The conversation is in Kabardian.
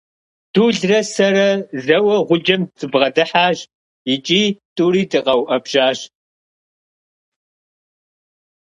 Дулрэ сэрэ зэуэ гъуджэм дыбгъэдыхьащ икӀи тӀури дыкъэуӀэбжьащ.